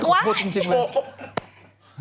พี่ขอโทษจริงเลยโอ้โห